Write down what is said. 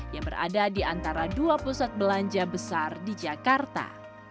yang berada di antara dua pusat belanja besar di jakarta